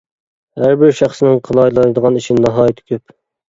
ھەر بىر شەخسنىڭ قىلالايدىغان ئىشى ناھايىتى كۆپ.